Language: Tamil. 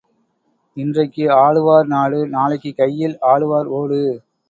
இன்றைக்கு ஆளுவார் நாடு நாளைக்குக் கையில் ஆளுவார் ஓடு.